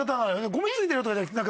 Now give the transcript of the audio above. ゴミ付いてるとかじゃなくて。